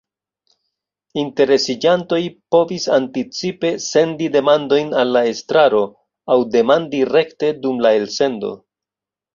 Interesiĝantoj povis anticipe sendi demandojn al la estraro, aŭ demandi rekte dum la elsendo.